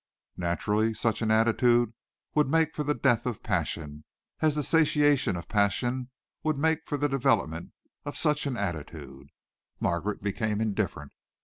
Naturally such an attitude would make for the death of passion, as the satiation of passion would make for the development of such an attitude. Margaret became indifferent.